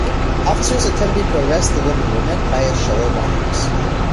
Officers attempting to arrest the woman were met by a show of arms.